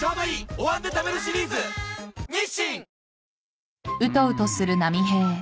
「お椀で食べるシリーズ」うん。